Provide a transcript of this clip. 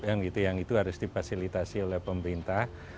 yang itu harus dipasilitasi oleh pemerintah